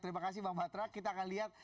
terima kasih bang batra kita akan lihat